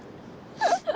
アハハハ。